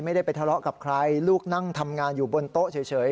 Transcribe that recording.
ไม่ได้ไปทะเลาะกับใครลูกนั่งทำงานอยู่บนโต๊ะเฉย